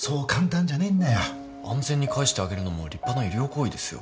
安全に帰してあげるのも立派な医療行為ですよ。